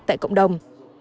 tại cộng đồng